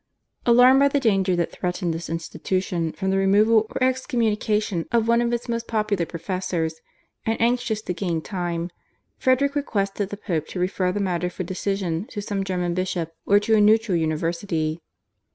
Alarmed by the danger that threatened this institution from the removal or excommunication of one of its most popular professors, and anxious to gain time, Frederick requested the Pope to refer the matter for decision to some German bishop or to a neutral university.